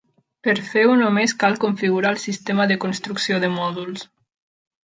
Per fer-ho, només cal configurar el sistema de construcció de mòduls.